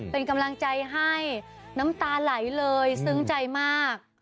เป็นกำลังใจให้น้ำตาไหลเลยซึ้งใจมาก